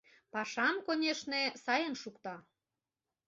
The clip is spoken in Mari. Пашам, конешне, сайын шукта...